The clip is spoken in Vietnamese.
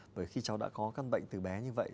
bởi khi cháu đã có căn bệnh từ bé như vậy